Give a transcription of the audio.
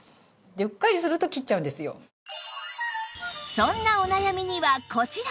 そんなお悩みにはこちら！